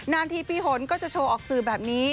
นาทีปีหนก็จะโชว์ออกสื่อแบบนี้